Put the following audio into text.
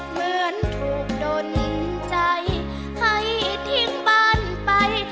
เหมือนถูกดนใจให้ทิ้งบ้านไป